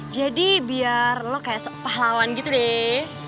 jadi biar lo kayak sepah lawan gitu deh